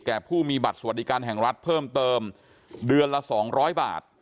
ผู้มีบัตรสวัสดิการแห่งรัฐเพิ่มเติมเดือนละ๒๐๐บาท